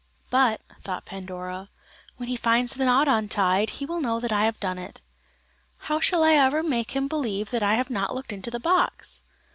"But," thought Pandora; "when he finds the knot untied he will know that I have done it; how shall I ever make him believe that I have not looked into the box?"